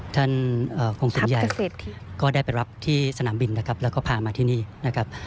ท่านคงสินใหญ่ก็ได้ไปรับที่สนามบินนะครับแล้วก็พามาที่นี่นะครับ